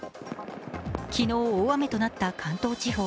昨日、大雨となった関東地方。